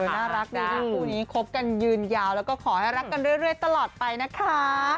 น่ารักดีนะคู่นี้คบกันยืนยาวแล้วก็ขอให้รักกันเรื่อยตลอดไปนะคะ